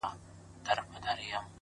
• او منلي هوښیارانو د دنیا دي ,